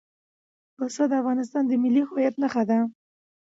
پسه د افغانستان د ملي هویت نښه ده.